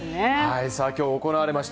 今日行われました